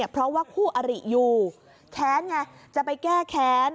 เพราะว่าคู่อริอยู่แค้นไงจะไปแก้แค้น